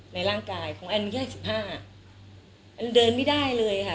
ในร่างกายของแอนแยก๑๕อันเดินไม่ได้เลยค่ะ